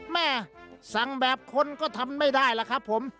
แม่สั่งแบบคนก็ทำไม่ได้ล่ะครับผม